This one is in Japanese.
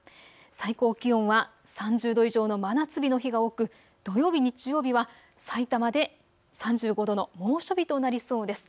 最高気温は３０度以上の真夏日の日が多く土曜日、日曜日はさいたまで３５度の猛暑日となりそうです。